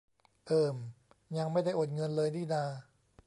เอิ่ม ยังไม่ได้โอนเงินเลยนี่นา